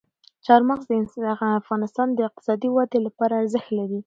چار مغز د افغانستان د اقتصادي ودې لپاره ارزښت لري.